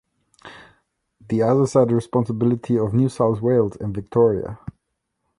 The others are the responsibility of New South Wales and Victoria.